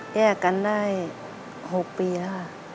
แยกกันได้๖ปีแล้วค่ะ